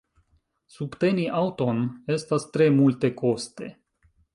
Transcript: Subteni aŭton estas tre multekoste.